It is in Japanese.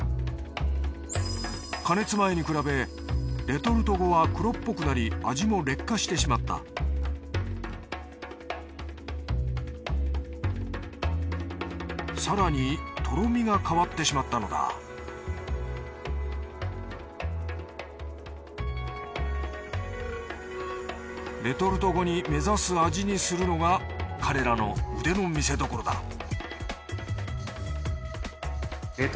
加熱前に比べレトルト後は黒っぽくなり味も劣化してしまった更にとろみが変わってしまったのだレトルト後に目指す味にするのが彼らの腕の見せ所だ！